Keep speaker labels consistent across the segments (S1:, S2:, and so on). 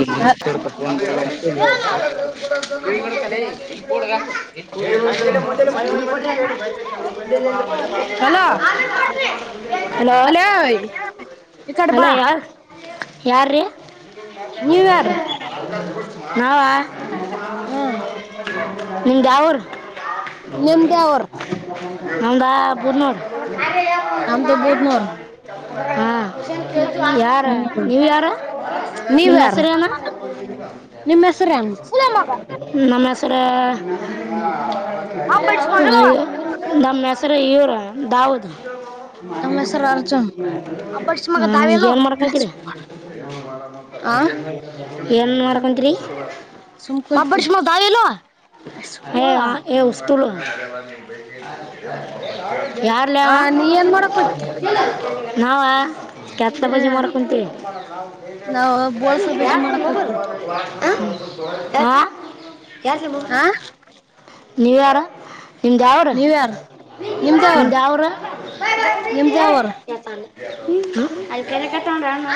S1: Hello
S2: hello hello ಅಲೇ ಈ ಕಡೆ
S1: ಹಲೋ
S2: ಬಾ
S1: ಯಾರ ಯಾರು ರೀ
S2: ನ್ಯೂ ಯಾರ್
S1: ನಾವಾ
S2: ಹೂ
S1: ನಿಂದ ಯಾವುರು
S2: ನಿಮ್ಮದ ಯಾವುರ
S1: ನಮ್ಮದಾ ಆ ಬೂದನೂರ
S2: ನಮ್ಮದು ಬೂದನೂರ
S1: ಹಾಂ ಯಾರ ನೀವು ಯಾರು
S2: ನೀವು
S1: ನಿಮ್ಮ
S2: ಯಾರ್
S1: ಹೆಸರೇನು
S2: ನಿಮ್ಮ ಹೆಸರ ಏನು
S1: ಹೆಸರ ನಮ್ಮ ಹೆಸರ ಈಥರ ಇವರು ದಾವುದ್
S2: ನಮ್ಮ ಹೆಸರು ಅರ್ಜುನ್
S1: ಹ ಹಿಗೆನ್ ಏನ್ ಮಾಡಾಕತ್ತೀರಿ ಅ
S2: ಆ
S1: ಏನ ಮಾಡೆಕೆಂತಿರಿ
S2: ಅಬ್ಬರ್ಷ ಮಗ ದಾವು ಇಲ್ಲ
S1: ಹ ಹ ಎವ ಸುಳ್ಳ ಯಾರಲೇ
S2: ಆ
S1: ಅವಾ
S2: ನೀ ಏನ್ ಮಾಡಕೋತಿ
S1: ನಾವಾ ಕೆತ್ತ ಬಜೆ
S2: ಹ್ಮ
S1: ಮಾಡಕಂತಿವಿ
S2: ನಾವ್ ಬೋಳ್ಸ ಬಜ್ಜಿ ಮಾಡಕ್ ಹೋಗ್ತೀವಿ
S1: ಹ ಯಾ
S2: ಹ್ಯಾ
S1: ನೀವು ಯಾರ ನಿಮ್ದ ಯಾವೂರ
S2: ನೀವ್ಯಾರ ನಿಮ್ದ ಯಾವರು
S1: ನಿಮ್ಮ ಯಾವೂರ
S2: ನಿಮ್ದ ಯಾವರು
S1: ಅಲ್ಲಿ ಕರೆತಳ ನೋಡು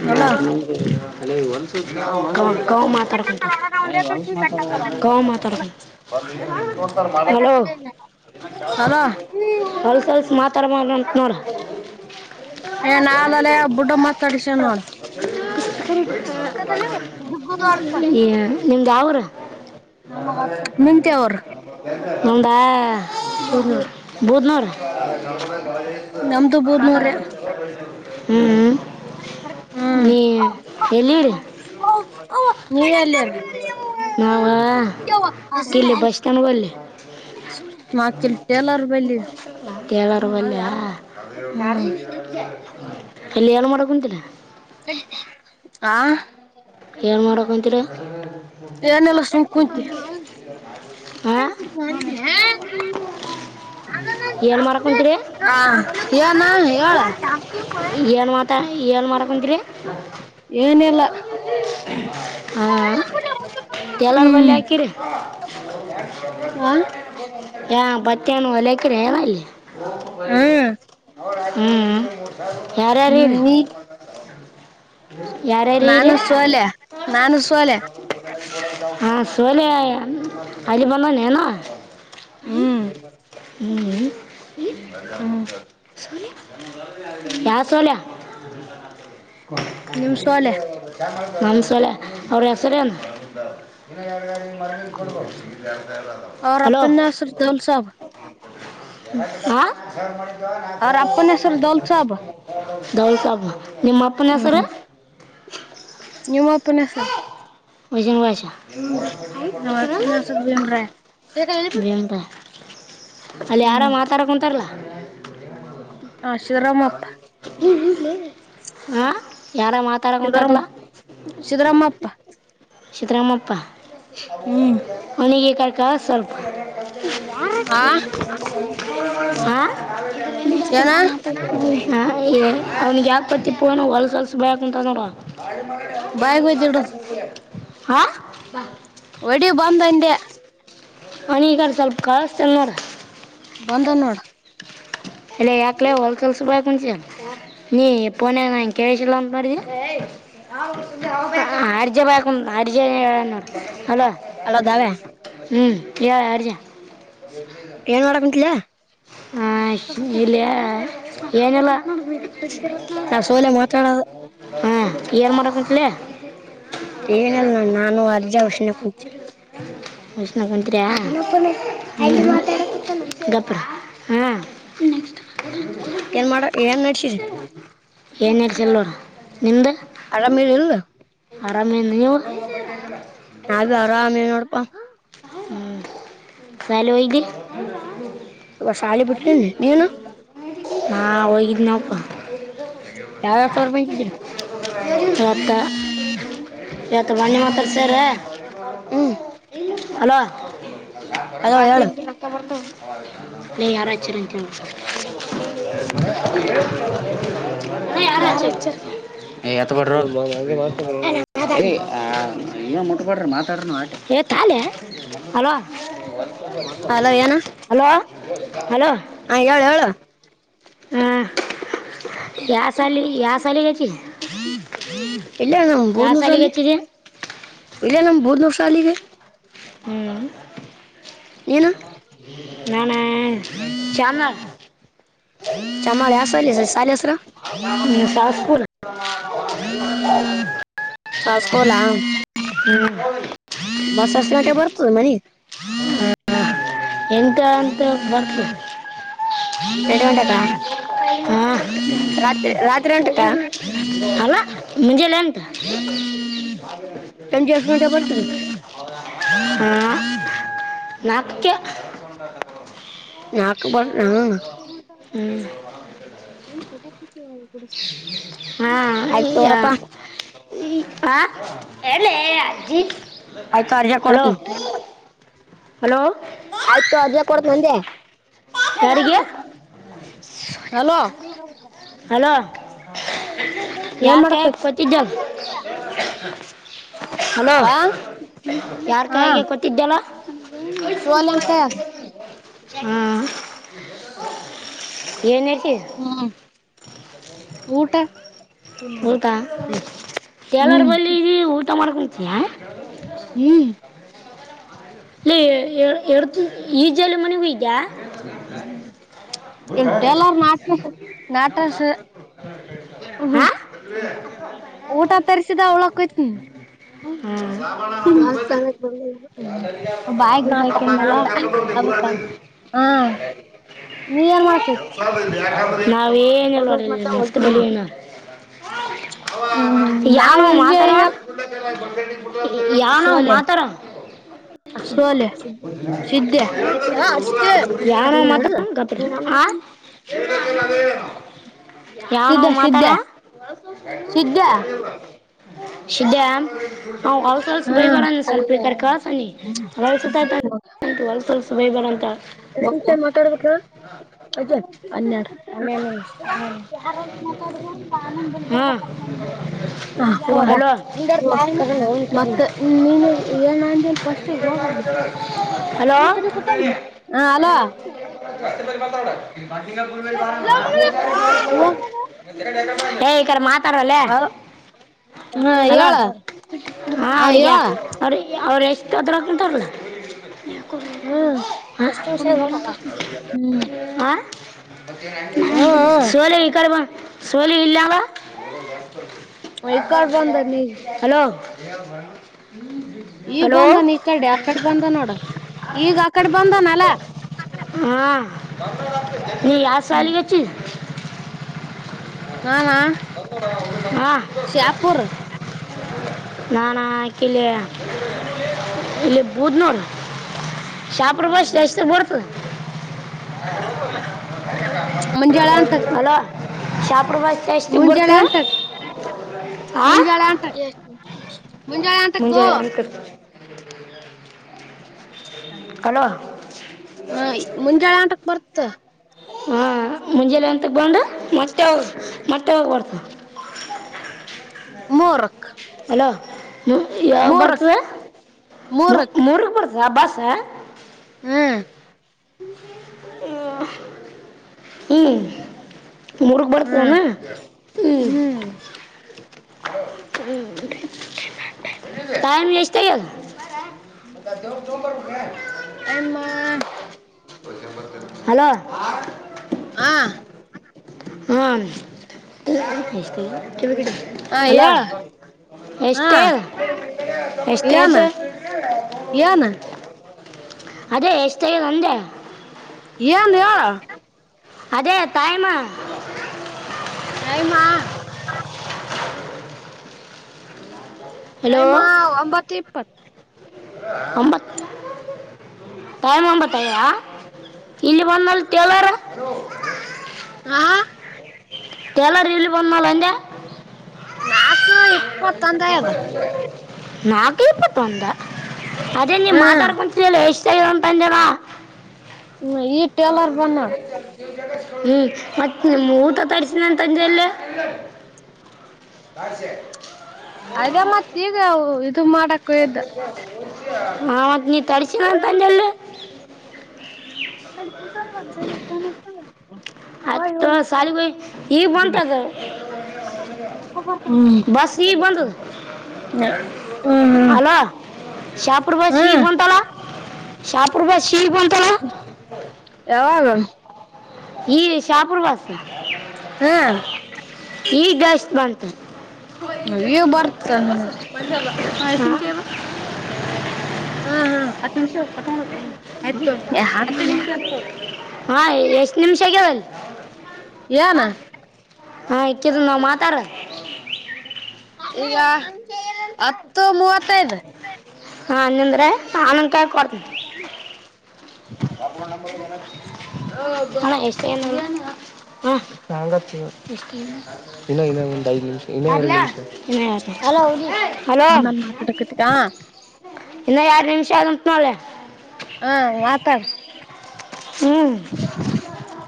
S1: ಹ
S2: ಅಲೋ
S1: ಹಲೋ ಹಲೋ ಕಂವ ಕಂವ ಮಾತಾಡ್ಕತನ ಕೆಂವ ಮಾತಾಡಕತ್ತಾನ ಹಲೋ
S2: ಅಲೋ
S1: ಹೊಲ್ಸ ಹೋಲ್ಸ ಮಾತಾಡಬಾರದು ಅಂತ ನೋಡು
S2: ಏ ನಾಲಲೆ ಬುಡ್ಡ ಮಾತಾಡಿಸ ನೋಡ
S1: ಬುಡು ಈ ಯ ನಿಮ್ಮದು ಯಾವುರ
S2: ನಿಮ್ದ ಯಾವರು
S1: ನಮ್ಮದಾ ಬೂದನೂರ
S2: ನಮ್ದು ಬೂದ್ನೂರ
S1: ಮಾತಾಡಕತ್ತಿನಿ ಹೂ ಹೂ ನೀ ಎಲ್ಲಿರಿ
S2: ಅವ್ವ ಅವ್ವ ನೀವೆಲ್ಲಿ ರೀ
S1: ನಾವು
S2: ಯವ್ವ
S1: ಇಲ್ಲಿ ಬಸ್ ಸ್ಟ್ಯಾಂಡ್ ಬಲ್ಲಿ
S2: ಮತ್ತ ಇಲ್ಲಿ ಟೈಲರ್ ಬಲ್ಲಿ
S1: ಕೇಳರ್ ಬಲ್ಯಾ ಯಾರ್
S2: ಹ್ಮ್
S1: ಅಲ್ಲಿ ಏನ್ ಮಾಡಕುಂತಿರಿ ಡ
S2: ಹಾ
S1: ಏನು ಮಾಡಕೊಂತೀರ
S2: ಏನಿಲ್ಲ ಸುಮ್ಮ್ ಕುಂತೀನಿ ಕೈ
S1: ಹಾಂ
S2: ಬಿಡು ಏ ಅಮ್ಮ ನನ್
S1: ಏನು
S2: ಚಪ್ಲಿ
S1: ಮಾಡಕೊಂತೀರಿ
S2: ಹಾ ಏನಾ ಹೇಳು ಅಮ್ಮ ನನ್ ಚಪ್ಲಿ
S1: ಏನು ಮಾತಾ ಏನು
S2: ಹಾ
S1: [unintelligible]
S2: ಏನಿಲ್ಲ
S1: ಹ್ಮ ಹಾ ಟೇಲರ್ ಬಲ್ಲಿ
S2: ಹ್ಮ್
S1: ಹಾಕಿರಿ
S2: ಆ
S1: ಯಾ ಮತ್ತೆನು ಹೋಲೇ ಹಾಕಿರಾ ಏನ್ ಅಲ್ಲಿ [unintelligible]
S2: ಹ್ಮ್
S1: ಹ್ಮ್ ಹ್ಮ್ಮ್ ಯಾರ ಯಾರ
S2: ಹ್ಮ್
S1: ಇರೀ
S2: ನೀ ನಾನು ಸೊಲ್ಯಾ ನಾನು ಸೊಲ್ಯಾ
S1: ಹಾ ಸೊಲ್ಯಾ ಅಲ್ಲಿ ಬಂದಾನ ಏನು ಹ್ಮ್ ಹ್ಮ್
S2: ಹ್ಮ್
S1: ಯಾರ ಸೊಲ್ಯಾ
S2: ನಿಮ್ ಸೋಲೆ
S1: [unintelligible] ನಮ್ ಸೊಲ್ಯಾ ಅವರು ಹೆಸರೇನ್
S2: ಅವ್ರ
S1: ಹಲೋ
S2: ಅಪ್ಪನ ಹೆಸರು ದೌಲ್ ಸಾಬ್
S1: ಆ [unintelligible]
S2: ಅವ್ರ ಅಪ್ಪನ ಹೆಸರು ದೌಲ್ ಸಾಬ್
S1: ದೋಲ್ ಸಾಬ್ ನಿಮ್ ಅಪ್ಪನ ಹೆಸರು
S2: ಹ್ಮ್ ನಿಮ್ಮ ಅಪ್ಪನ ಹೆಸರು
S1: ವಜನ್ ಬಾಷಾ
S2: ನಮ್ಮ ಅಪ್ಪನ ಹೆಸರು ಭೀಮ್ರಾಯ
S1: ಅಲ್ಲಿ ಯಾರ
S2: ಹ್ಮ್
S1: ಮಾತಾಡ ಕುಂತಾರಲ್ಲಾ
S2: [unintelligible] ಶಿವರಾಮಪ್ಪ
S1: ಹ್ಮ್ ಹ್ಮ ಹ್ಮ ಹಾ ಯಾರ
S2: ಸಿದ್ದರಾಮ
S1: ಮಾತಾಡಕುಂತಾರಲ
S2: ಸಿದ್ದರಾಮಪ್ಪ
S1: ಸಿದ್ರಾಮಪ್ಪ
S2: ಹ್ಮ್
S1: ಅವನಿಗೆ ಕ ಕ ಸ್ವಲ್ಪ
S2: ಆ
S1: [unintelligible] ಆಾ
S2: ಏನ
S1: ಹಂ ಏ ಅವನಿಗೆ ಯಾಕೆ ಪತಿ ಪನು ಹೊಲ್ಸಲ್ಸ ಬಯಕ ಅಂತ ನೋಡ ಅಳ
S2: ಬಾಯಿಗೆ ಒಯ್ದಿಡದು
S1: ಹಾ
S2: ವಡಿ ಬಂದಂಡ
S1: ಅ ಈಗಡೆ ಸ್ವಲ್ಪ ಕಳಸ್ತನ
S2: ಬಂದ ನೋಡ
S1: ಇಲ್ಲ ಯಾಕಲ ಹೋಲ್ಸೇಲ್ಸ್ ಬಾಯ್ಕಂ ಸ ನೀ ಪೋನ ಎಂಕಷಲ್ಲ ಅ ಮಾಡಿದೆ ಆಡ್ಜೆ ಬಾಯ್ಕಂ ಆಡಜೆ ಹೇಳ ಅಲ
S2: ಅಲೋ ದಾವ್ಯಾ
S1: ಾ ಹ್ಞೂ ಕ ಹಲ ಹ ರಜ
S2: ಏನ್ ಮಾಡಕ್ ಮಂತ್ಲಯಾ ಹಾ ರ
S1: ಏನಲ್ಲ
S2: ಸೋಲೆ ಮಾತಾಡೋದು
S1: ಹಾ ಇಯರ್ ಮಾಡರಕಲೆ
S2: ಏನಲ್ ನ ನಾನು ಅರ್ಜಿ ಷಣೆ ಕೂತ
S1: ಮಷಿನಂದ್ರ ಹ
S2: ಹ್ಮ್
S1: ಗಪ್ಪರ ಹ್ಮ್
S2: ಏನ್ ಮಾಡ ಏನ್ ನಡಸಿರಿ
S1: ಏನ್ ಹೇಳ್ಸಲ್ಲೋರು ನಿ್ದ
S2: ಆರಾಮ ಇಲ್
S1: ಆರಾಮೇ ನೀವು ಹ
S2: ಅದು ಆರಾಮೇ ನೋಡಪಾ
S1: ಹ್ಮ ಸಾಲೋಯಗೆ
S2: ಇವ ಶಾಲೆ ಬಿಡ್ತೀನಿ ನೀನು
S1: ಹಾ ಒಗಿನಪ್ಪ
S2: ಯಾವರಡ್ ಸಾವಿರ ರೂಪಾಯಿಗಿದರು
S1: ಯ ಯತ ಬರ್ಣ ಮಾತ ಸೇರೆ
S2: ಹ್ಮ್
S1: ಇ ಅಲೋ
S2: ಅಲೋ
S1: ಮತ್ತು
S2: ಹೇಳು
S1: ಹಕ್ಕ ಬರ್ತ ಯಾರ ಮಾತಾ ಹಲೋ
S2: ಅಲೋ ಏನ
S1: ಹಲೋ ಹ್ಣ [unintelligible]
S2: ಹಾ ಹೇಳ ಹೇಳು
S1: ಹಾ ಯ ಸಲಿ ಯ ಸಲಿಗಚ
S2: ಇಲ್ಲ ನಮ ಬೂರ್ನೂ ಸಾಲ ಇಲ್ಲ ನಮ್ ಬೂರ್ನೂರ್ ಸಾಲಿಗೆ ಹ
S1: ಹ್ಮ್
S2: ಏನ
S1: ನಾನ ಚಾಮನಾಳ
S2: ಚಮಾಳೆ ಹಸಾಲಸ ಶಾಲ ಹಸರು
S1: ಬಾಸ್ಪುರ್
S2: ಸಸ್ಕೋಲಾ
S1: ಹ್ಮ
S2: ಬಸ್ ಗಂಟೆ ಬರ್ತದೆ ಮನಿ
S1: ಎಂತ ಅಂತ ಬರ್ತ
S2: ಎಂಟು ಗಂಟೆಗ
S1: ಹಾಂ
S2: ರಾತ್ರಿ ರಾತ್ರಿ ಎಂಟುಗಂಟೆಕ್ಕ
S1: ಮುೆ ಲನ್ಂತ
S2: ಸಂಜೆಷ್ಟಎಂಟುಗಾಂತೇಕಬರ್ತ
S1: ನಾಕ ಅೊಂಡ
S2: ನಾಲ್ಕು ಬರ್
S1: ಹ ಹಾ
S2: ಆಯ್ತ್ ತೋರಪ್ಪಾ
S1: ಈ ಹ ಅ ಅಜಿಪ್
S2: ಆಯ್ತು ಅರ್ಜ ಕೊಡ್ತಂತೆ
S1: ಹಲೋ
S2: ಆಯ್ತು ಅರ್ಜ ಕೊಡ ನಂದೆೋ
S1: ಯಾರಿಗೆ ಹಲೋ ಯಾರ ಕ ಕೊತ್ತಿದ್ದಲ್ ಹಲೋ
S2: ಹಾ
S1: ಯಾರ್ ಕಾಯಿಗೆ ಕೊತಿದ್ದ್ಯಲ್ಲ
S2: ಸಲ್ಂಂತಯಾಗ
S1: ಹ್ಮ್
S2: ಹ್ಮ್ ಊಟ
S1: ಊಟಾ ಕೆಲರ
S2: ಹ್ಮ್
S1: ಬಲ್ಲಿ ಇದಊ ಮತ್ತ ಮಾಡಡ್ಕಚ ಹಾ
S2: ಹ್ಮ್
S1: ಇಲ್ಲ ಎ ಈಜಾಲ ಮನೆ ಹೂ ಇದ್ದಾ
S2: ಹ್ಮ್ ಹ್ಮ್
S1: ಬೂತ ನ
S2: ಊಟ ತಸಿದ ಅವಳಯ್ತ
S1: ಹ್ಮ್. ಎಸ ಬ [unintelligible] ನಾವಏನುಲ್ವಾಡಲ್ಲಿ ಮಸ್ತ್ ಬಲಿಯಣ
S2: ಹ್ಮ್ ಹ್ಮ್
S1: ಯಾನೋ
S2: ನಾವ್ ಇಲ್ಲೇ
S1: ಮಾತರ
S2: ಇವ್
S1: [unintelligible] ಯಾನೋ
S2: ಸೋಲೆ
S1: ಮಾತರ
S2: ಸೋಲೆ ಸಿದ್ದೆ
S1: ಯಾನೋ ಮಾತರ ಗತ್ರ
S2: ಫ [inaudible]
S1: ಯಾವನೋ
S2: ಸಿದ್ಧ ಸಿದ್ಧ
S1: ಮಾತಾರ
S2: ಸಿದ್ದ
S1: ಸಿದ್ದಯ ಹ ಹೊ ಸಲ್ಸ ಹೊಲಸ್ ಬೈ
S2: ಹ್ಮ್
S1: ಬರ ಸ್ವಲ್ಪೇಕ ಕಸಣ ಹೊ ಸಲ್ಸ ಬೈ ಬಾರ
S2: ಮಾತಾಡ್ಬೇಕ [unintelligible] ಹೆಡು
S1: ಹ್ಞೂ ಹಲೋ
S2: ಮತ್ತ ನೀನ್ ಏನ್ ಅಂದೆಲಾ ಫಸ್ಟ್ ಹೋಗ ಅಂದೆ
S1: ಸ್ಸ್ [unintelligible] ಇ [inaudible] ಸಿಂಗಾು ಬ
S2: ಹೋಗ್
S1: [unintelligible] ಹ ಈ ಮಾತ್ರ [inaudible]
S2: ಹಾ
S1: ಹಲೋ
S2: ಹೇಳ
S1: ಹಾ ಅವ್ರಿಗೆ ಅವ್ರ ಅವ್್ರ ಎಷ್ಟುದ್ರಂತಾರಲ್ಲ
S2: ಹ್ಮ್ ಹ್ಮ್
S1: ಆ ಸೋಲೆ ಈ ಕಡೆ ಬಾ ಸೋಲೆ ಇಲ್ಲಾಲ್ಲ
S2: ಈ ಕಡೆ ಬಂದನ್
S1: ಹಲೋ [inaudible]
S2: ಈಗ
S1: ಹಲೋ
S2: ಬಂದನ ಈ ಕಡೆ ಆಕಡೆ ಬಂದ ನೋಡ ಈಗ ಆಕಡೆ ಬಂದನ ಅಲ
S1: ಹ ನ ಆತ [unintelligible] ನೀ ಯಾರ
S2: ಹ್ಮ್
S1: ಸಾಲಿಗಚ್ಚಿ
S2: ನಾಮಾ
S1: ಹಾ [unintelligible] ನಾನಾ ಆಕಲ ಇಲ್ಲಿ ಬೂದ್ ನೋಡ ಶಾಪ್ರಭಾಷ ಎಷ್ಟ ಬರ್ತ
S2: ಮುಂಜಾಳೆ ಅಂಟಕ್
S1: ಹ [unintelligible] ಹಲೋ ಶತ್
S2: ಮುಂಜಾಳೆ ಅಂತ
S1: ಆ
S2: ಮುಂಜಾಳೆ ಅಂತ ಮುಂಜಾಳೆ ಅಂಂತಕ್ಕು
S1: ಮುಂಜಾನೆ ಅಂತ ಹಲೋ
S2: ಹ ಮುಂಜಾಳೆ ಅಂಟಕ್ ಬರ್ತ
S1: ಹಾ ಮುಂಜೆಲ್ಲ ಎಂತ ಬಂಡ ಮತ್ತೆ ಹೋಗ ಮೊತ್ತೆ ಹೋಗ್ಬರ್ತ
S2: ಮೂರಕ್
S1: ಅಲೋ ಯಾವಾಗ ಬರ್ತದ
S2: ಮೂರಕ್ ಮೂರಕ್
S1: ಮೂರ್ ಬರ್ತದೆ ರಬ ಸ
S2: ಹ್ಮ್
S1: ಹ್ಮ ಹ್ಮ್ ಮುರ್ಗ ಬರ್ತದಾನ
S2: ಹ್ಮ್
S1: ಹ್ಮ್ ಟಮ ಎಷ್ಟತೇ
S2: ಆಮ್ಮ
S1: ಹಲೋ
S2: ಹಾ
S1: ಹಾ ಕೆ ಕಡೆ
S2: ಹ ಹೇಳ
S1: ಹಲೋ
S2: ಹ
S1: ಎಷ್ಟ್ಟೇ ಎಷ್ಟ್ಟೇ
S2: ಏನ್ ಏನ್
S1: ಅದೇ ಯಷ್ಟತೆಗೆ ನಂದ
S2: ಏ ಅಂದಯ
S1: ಅದೇ ತಾಯಮ
S2: ೈಮ ಟೈಮ್ ಒಂಬತ್ತು ಇಪ್ಪತ್ತು
S1: ಒಂಬತ್ ಟೈಮ ಒಂಬತ್ತಯಾ ಇಿಲಿ ಬಂದಲ್ಲಿಟಲರ ಹ
S2: ಹಾ
S1: ಟೇಲರ್ ಎಲ್ಲಿ ಬಂದನಲ್ಲ ಅಂದೆ
S2: ನಾಕ ಇಪ್ಪತ್ತಂದ
S1: ಬ
S2: ಅದ
S1: ತ ನಾಾಗ ಇಪ್ಪತ್ ಒಂದ ಅದೇ ನೀ್
S2: ಹ್ಮ
S1: ಮಾತಾಡ್ಕೊಂತ ಎಷ್ಟ ಚಗ ಪಂಜಮ್ಮ
S2: ಹ್ಮ ಈ ಟೇಲರ್ ಬಂದ
S1: [unintelligible] ಹ್ಮ್ ಮತ್ತೆ ನಿಮ್ಮ ಊಟ ತರಿಸಸಿದಂತ ಪತಂಜಲಿ ಹಾ ಸ
S2: ಅದ ಮತ್ತೆ ಈವು ದು ಮಾಡ
S1: ಅದ ಹ ಮತ್ತ ನೀ ತರ್ಸಿನಂತಂದೆಲ್ಲ
S2: ಅದ ಹದ ಹದ ಇ
S1: ಆ ಸಾಲಿಬ ಈಗ ಬಂತದ
S2: ಹ್ಮ್ ಹ್ಮ್
S1: ಬಸ್ ಈಗ ಬಂತ
S2: ಹ್ಮ್
S1: ಅಲ ಶಾಪುರ್ ಬೀಗ್
S2: ಹ್ಮ್
S1: ಬಂತಲ್ಲ ಶಾಪರ್ ಬೀಗ್ ಬಂತಲ್ಲ ಹೌ
S2: ಹ
S1: ಈ ಶಾಪುರ್ ವಾಸ
S2: ಹ್ಮ್
S1: ಈ ಡ್ಯಾಸ್ಟ್ ಬಂತು
S2: ಈ ಬರ್ತ
S1: ಹ ಬ
S2: ನನಗೆ
S1: ಪಂಡ್
S2: ಹ್ಮ್
S1: ಹತ್ತು ನಿಮಿ ಹತ್ತು
S2: ಹ್ಮ್
S1: ನಿ ಹಾ ಎಷ್ಟ ನಿಮ್ಷಗಲ್
S2: ಏನ
S1: ಹಾ ಇಕ್ಕಿದ ನಾವ್ ಮಾತಾರ
S2: ಈಗ ಮೂವತ್ತೈದು
S1: ಹಾಂದ್ರೆ ಆನಂದ ಕಾಯ ಕೊಡ್ತೀನಿ ಹ ಎಷ್ಟ ಏನು ಹ್ಮ ಂಗ
S2: ಹ
S1: ಇನ್ನ ಯಾರು ನಿಮಿಷ ಆಗತನಲ್ಲ
S2: ಹಾ ಮಾತಾಡ್
S1: ಹ್ಮ್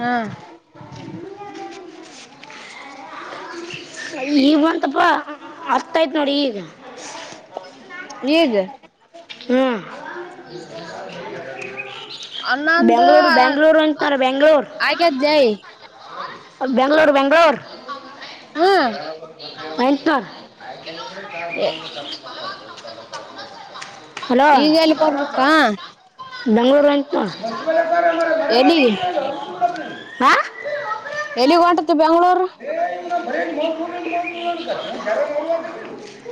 S2: ಹಾ
S1: ಈಗ ಬಂತಪ್ಪ ಅತ್ತಯತ್ ನೋಡಿ ಈಗ
S2: ಈಗ
S1: ಹ್ಮ
S2: ಅನಂದ
S1: ಬೆಂಗಳೂರು
S2: ಆಗೆ ಜೈ
S1: ಬೆಂಗಳೂರು ಬೆಂಗಗಳೂರ್
S2: ಹ್ಮ್
S1: ಮಟ
S2: ಈಗ ಎಲ್ಲಿ ಬರ್ಬೇಕಾ
S1: ಬೆಂಂಗಗಳೂಂಪ್ಪ
S2: ಎಲ್ಲಿ
S1: ಹ
S2: ಎಲ್ಲಿಗ ಹೊಂಟ ಬೆಂಗ್ಳೂರ್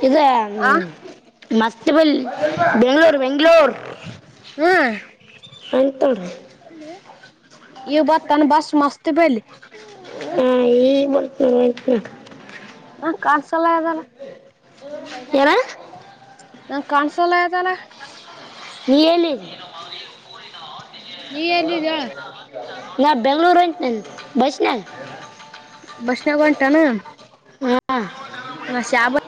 S1: [unintelligible] ಇದೆ
S2: ಆ
S1: ಹ್ಮ್ ಮಸ್ತ್ ಬಲ್ ಬೆಂಗ್ಗಳೂರು ಬೆಂಗ್ಗಳೂರು
S2: ಹ್ಮ
S1: ನೋಡ್ರಿ
S2: ಇ ಬರ್ತಾನ ಬಸ್ ಮಸ್ತ್ ಮ ಬಲ್ಲಿ
S1: ಹಾ ಈ ಬತನ ಬತ
S2: ಸಲ ಇದದಲ್ಲ
S1: ಯಾರ
S2: ಹ ಕಾಣಸಲ ಆಯತಲ್ಲ
S1: ನಿ ಎಲ್ಲಿ
S2: ನೀ ಎಲ್ಲಿದ್ದೆ ಹೇಳ
S1: ನಾ ಬೆಂಗಳೂರು ಹೋಟಿನಿ ಬಸ್ ನ್ಯಾಗ
S2: ಬಸ್ಣಾಗ ಹೋಟಾನ
S1: ಹಾ
S2: ನ ಶ್ಯಾ ಬ